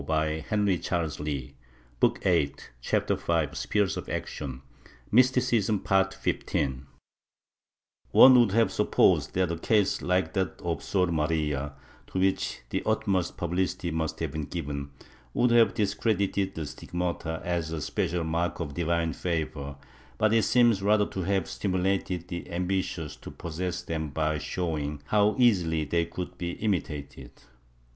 He had a coheague, Don Guillen de Casans, who was hkewise prosecuted.^ One would have supposed that a case hke that of Sor Maria, to which the utmost publicity must have been given, would have discredited the stigmata as a special mark of divine favor, but it seems rather to have stimulated the ambitious to possess them by showing how easily they could be imitated.